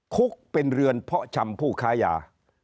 คุกเป็นเรือนเพาะชำผู้ค้ายา